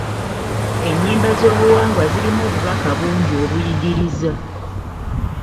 Ennyimba ez'obuwangwa zirimu obubaka bungi obuyigiriza.